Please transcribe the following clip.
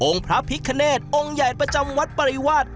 พระพิคเนธองค์ใหญ่ประจำวัดปริวาส